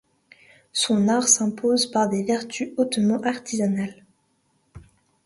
Son art s'impose par des vertus hautement artisanales..